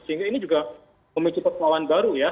sehingga ini juga memicu persoalan baru ya